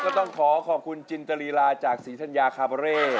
ต้องขอขอบคุณจินตรีลาจากศรีธัญญาคาเบอร์เร่